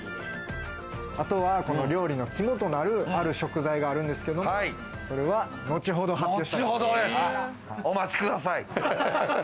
あとは料理の肝となる、ある食材があるんですけども、それは後ほど発表したいと思います。